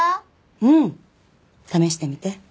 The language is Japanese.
うん！試してみて。